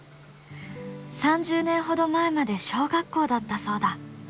３０年ほど前まで小学校だったそうだ。